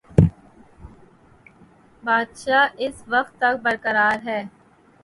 بادشاہ اس وقت تک برقرار ہے۔